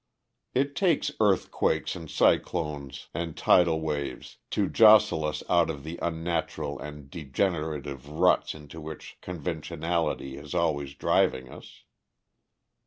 It takes earthquakes and cyclones and tidal waves to jostle us out of the unnatural and degenerative ruts into which conventionality is always driving us.